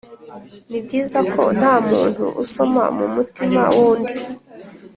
ni byiza ko nta muntu usoma mu mutima wundi